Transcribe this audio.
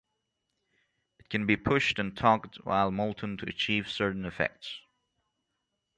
It can be pushed and tugged while molten to achieve certain effects.